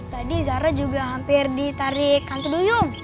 tadi zara juga hampir ditarik hantu duyung